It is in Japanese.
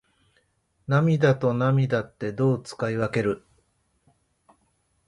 涙と泪ってどう使い分ける？